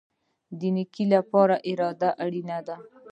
د نیکۍ لپاره اراده اړین ده